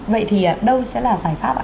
vậy thì đâu sẽ là giải pháp ạ